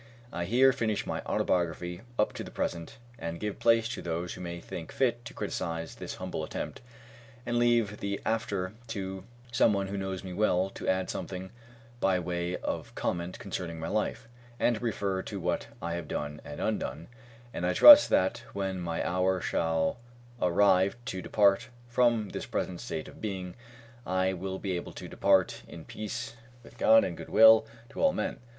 I here finish my autobiography up to the present and give place to those who may think fit to criticise this humble attempt, and leave the after to some one who knows me well to add something by way of comment concerning my life, and to refer to what I have done and undone; and I trust that when my hour shall arrive to depart from this present state of being, I will be able to depart in peace with God and goodwill to all men.